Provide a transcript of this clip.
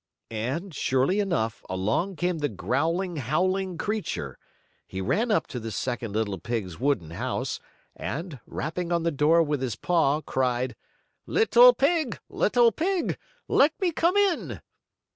And, surely enough, along came the growling, howling creature. He ran up to the second little pig's wooden house, and, rapping on the door with his paw, cried: "Little pig! Little pig! Let me come in!"